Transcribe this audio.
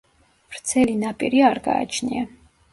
ვრცელი ნაპირი არ გააჩნია.